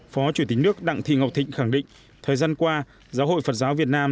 phó chủ tịch nước đặng thị ngọc thịnh khẳng định thời gian qua giáo hội phật giáo việt nam